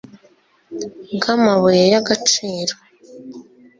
bw'amabuye y'agaciro